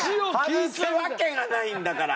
外すわけがないんだから！